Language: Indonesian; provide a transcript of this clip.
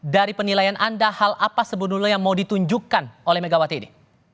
dari penilaian anda hal apa sebenarnya yang mau ditunjukkan oleh megawati ini